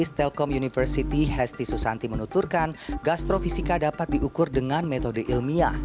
telkom university hesti susanti menuturkan gastrofisika dapat diukur dengan metode ilmiah